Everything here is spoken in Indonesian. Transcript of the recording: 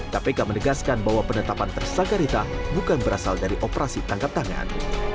kpk menegaskan bahwa penetapan tersangka rita bukan berasal dari operasi tangkap tangan